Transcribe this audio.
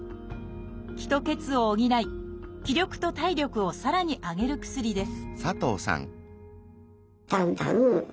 「気」と「血」を補い気力と体力をさらに上げる薬です